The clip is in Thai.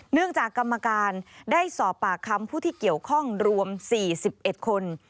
จากกรรมการได้สอบปากคำผู้ที่เกี่ยวข้องรวม๔๑คน